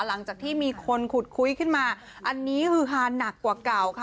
หลังจากที่มีคนขุดคุยขึ้นมาอันนี้คือฮาหนักกว่าเก่าค่ะ